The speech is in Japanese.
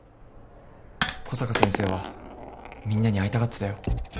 小坂先生はみんなに会いたがってたよ。